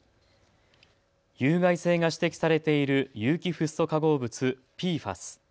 有害性が指摘されている有機フッ素化合物、ＰＦＡＳ。